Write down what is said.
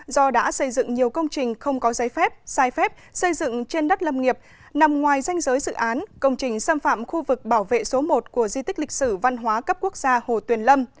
do đã xây dựng nhiều công trình không có giấy phép sai phép xây dựng trên đất lâm nghiệp nằm ngoài danh giới dự án công trình xâm phạm khu vực bảo vệ số một của di tích lịch sử văn hóa cấp quốc gia hồ tuyền lâm